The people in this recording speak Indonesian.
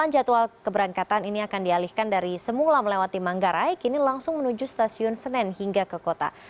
delapan jadwal keberangkatan ini akan dialihkan dari semula melewati manggarai kini langsung menuju stasiun senen hingga ke kota